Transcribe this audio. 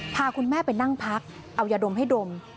พาคุณแม่ไปนั่งพักเอายาดมให้ดม